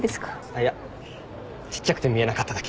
いやちっちゃくて見えなかっただけ。